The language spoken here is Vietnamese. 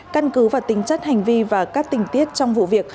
căn cứ vào tính chất hành vi và các tình tiết trong vụ việc